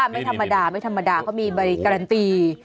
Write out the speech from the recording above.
ไม่ธรรมดาเขามีใบการันตี